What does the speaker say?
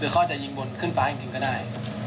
ก็จะยิงบนขึ้นฟ้าอย่างนี้ก็ได้